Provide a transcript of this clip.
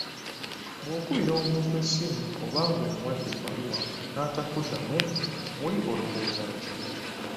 Bw'okubira omuntu essimu oba ng'omuwadde ebbaluwa n'atakuddamu, muli olowooza ki?